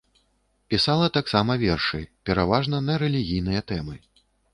Пісала таксама вершы, пераважна на рэлігійныя тэмы.